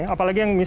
apalagi yang di sini